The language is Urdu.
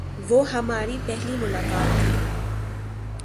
وہ ہماری پہلی ملاقات تھی۔